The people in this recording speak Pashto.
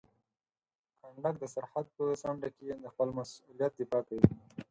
کنډک د سرحد په څنډه کې د خپل مسؤلیت دفاع کوي.